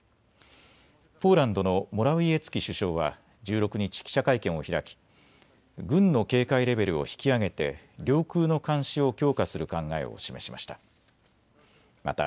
ポーランドのモラウィエツキ首相は１６日、記者会見を開き、軍の警戒レベルを引き上げて領空の監視を強化する考えを示しました。